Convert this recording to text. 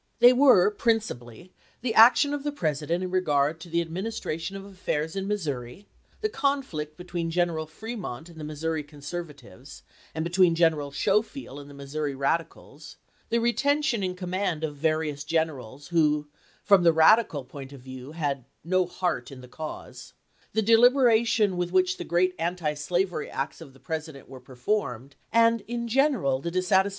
They were principally the action of the President in regard to the administration of affairs in Missouri ; the conflict between General Fremont and the Mis souri Conservatives, and between Greneral Schofield and the Missouri Radicals; the retention in command of various generals, who, from the radical point of view, had " no heart in the cause "; the deliberation with which the great antislavery acts of the Presi dent were performed ; and, in general, the dissatis 310 ABEAHAM LINCOLN Chap. XII.